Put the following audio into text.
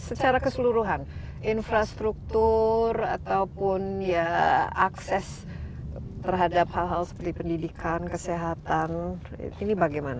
secara keseluruhan infrastruktur ataupun ya akses terhadap hal hal seperti pendidikan kesehatan ini bagaimana